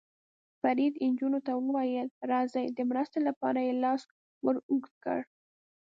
فرید نجونو ته وویل: راځئ، د مرستې لپاره یې لاس ور اوږد کړ.